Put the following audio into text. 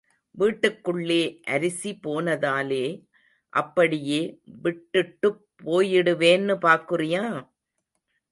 வீட்டுக்குள்ளே அரிசி போனதாலே அப்படியே, விட்டுட்டுப் போயிடுவேன்னு பார்க்குறியா?